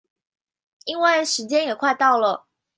因為時間也快到了